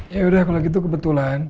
yaudah kalau gitu kebetulan